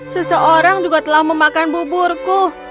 seseorang juga telah memakan buburku